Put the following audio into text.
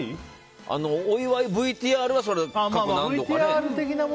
お祝いＶＴＲは過去何度か。